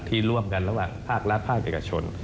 ที่ร่วมกันระหว่างภาครัฐภาคเอกชน